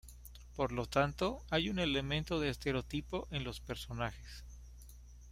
Por lo tanto, hay un elemento de estereotipo en los personajes.